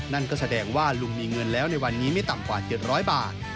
นั่นก็แสดงว่าลุงมีเงินแล้วในวันนี้ไม่ต่ำกว่า๗๐๐บาท